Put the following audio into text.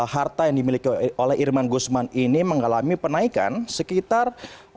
harta yang dimiliki oleh irman gusman ini mengalami penaikan sekitar